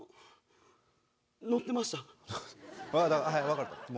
分かった。